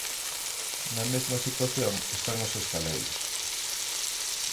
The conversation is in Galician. Na mesma situación están os hostaleiros.